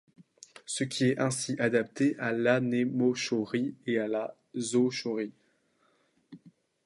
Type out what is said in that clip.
Ce est ainsi adapté à l'anémochorie et à la zoochorie.